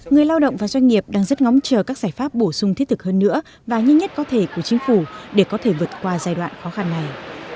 người lao động và doanh nghiệp đang rất ngóng chờ các giải pháp bổ sung thiết thực hơn nữa và nhanh nhất có thể của chính phủ để có thể vượt qua giai đoạn khó khăn này